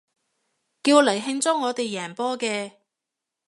叫嚟慶祝我哋贏波嘅